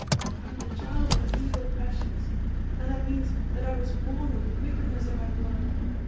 I am the child of evil passions, and that means that I was born with wickedness in my blood.